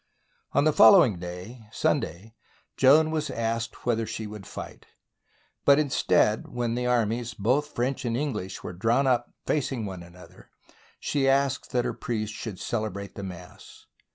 On the following day, Sunday, Joan was asked whether she would fight; but instead, when the armies, both French and English, were drawn up facing one another, she asked that the priests should celebrate the mass.